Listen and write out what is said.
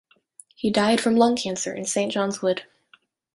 He died from lung cancer in Saint John's Wood.